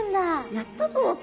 やったぞと。